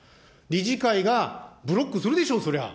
理事会がブロックするでしょう、そりゃ。